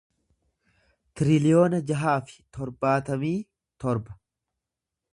tiriliyoona jaha fi torbaatamii torba